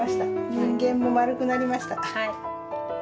人間も丸くなりました。